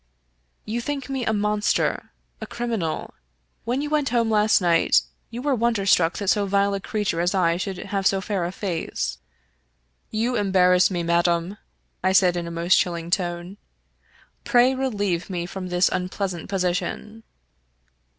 "You think me a monster — ^a criminal. When you went home last night, you were wonderstruck that so vile a creature as I should have so fair a face." " You embarrass me, madam," I said, in a most chilling tone. " Pray relieve me from this unpleasant position."